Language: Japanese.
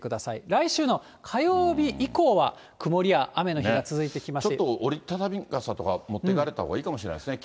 来週の火曜日以降は、ちょっと折り畳み傘とか持っていかれたほうがいいかもしれないですね。